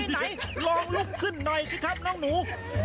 ไหนลองลุกขึ้นหน่อยสิครับน้องหนู